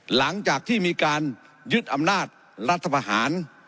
หลังจากที่มีการยึดอำนาจรัฐประหาร